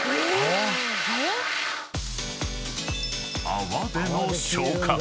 ［泡での消火］